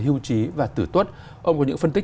hưu trí và tử tuất ông có những phân tích